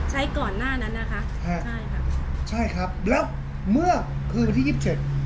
ก่อนหน้านั้นนะคะใช่ค่ะใช่ครับแล้วเมื่อคืนวันที่ยี่สิบเจ็ด